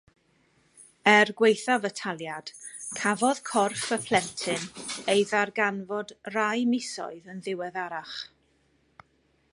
Er gwaethaf y taliad, cafodd corff y plentyn ei ddarganfod rai misoedd yn ddiweddarach.